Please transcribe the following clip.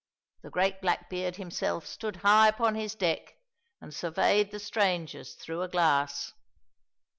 The great Blackbeard himself stood high upon his deck and surveyed the strangers through a glass.